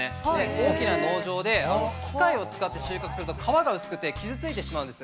大きな農場で、機械を使って収穫すると、皮が薄くて傷ついてしまうんです。